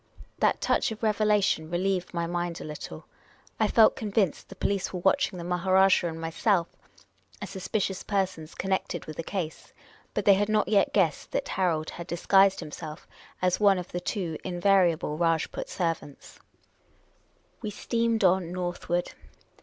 That touch of revelation relieved my mind a little. I felt convinced the police were watching the Maha rajah and myself, as suspicious persons connected with the case ; but they had not yet guessed that Harold had di.s guised himself as one of the two invariable Rajput servants. 304 Miss Cayley's Adventures We steamed on northward.